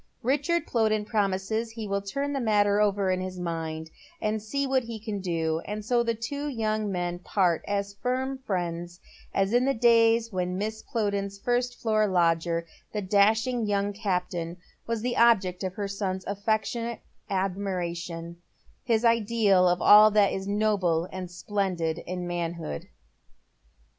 ' Richard Plowden promises that he will turn the matter over in his mind, and see what he can do, and so tlie two young men part, as firm friends as in the days when Mrs. Plowden's first floor lodger, the dashing young captain, was the object of her son's afEectionate admiiation, his ideal of all that is noble and splendid in manhood.